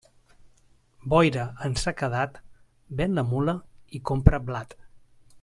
Boira en sequedat, ven la mula i compra blat.